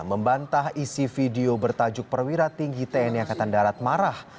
membantah isi video bertajuk perwira tinggi tni angkatan darat marah